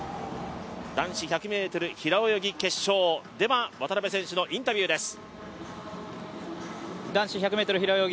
男子１００ｍ平泳ぎ決勝、渡辺選手のインタビューです。